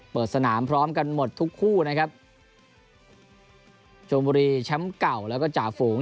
เปิดสนามพร้อมกันหมดทุกคู่นะครับชมบุรีแชมป์เก่าแล้วก็จ่าฝูง